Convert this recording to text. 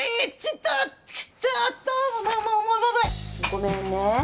ごめんね。